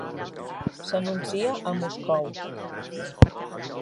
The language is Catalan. S'anuncia a Moscou